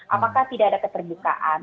apakah tidak ada keterbukaan